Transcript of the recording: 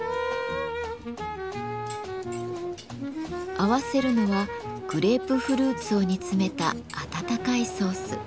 合わせるのはグレープフルーツを煮詰めた温かいソース。